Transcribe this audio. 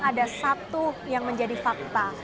ada satu yang menjadi fakta